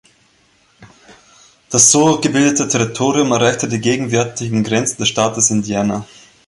Das so gebildete Territorium erreichte die gegenwärtigen Grenzen des Staates Indiana.